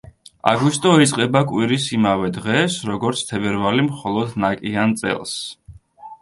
აგვისტო იწყება კვირის იმავე დღეს, როგორც თებერვალი მხოლოდ ნაკიან წელს.